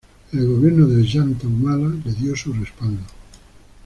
El gobierno de Ollanta Humala le dio su respaldo.